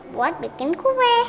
buat bikin kue